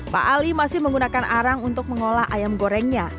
pak ali masih menggunakan arang untuk mengolah ayam gorengnya